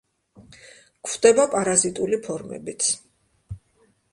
გვხვდება პარაზიტული ფორმებიც.